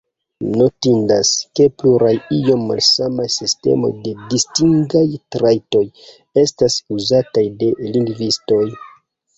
Notindas, ke pluraj iom malsamaj sistemoj de distingaj trajtoj estas uzataj de lingvistoj.